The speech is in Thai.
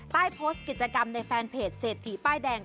ใต้โพสต์กิจกรรมในแฟนเพจเศรษฐีป้ายแดง